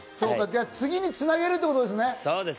次につなげるってことですね。